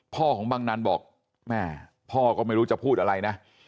ของบังนันบอกแม่พ่อก็ไม่รู้จะพูดอะไรนะ